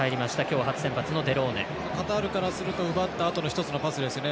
カタールからすると奪ったあとの１つのパスですよね。